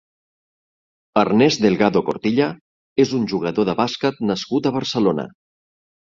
Ernest Delgado Cortilla és un jugador de bàsquet nascut a Barcelona.